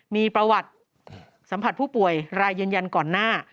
มีประวัติสัมผัสผู้ป่วยรายยืนยันก่อนหน้า